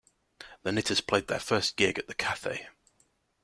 The Knitters played their first gig at the Cathay.